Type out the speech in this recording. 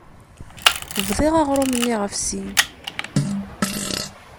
Bḍiɣ aɣrum-nni ɣef sin.